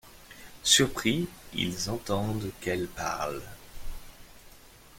Surpris, ils entendent qu'elle parle.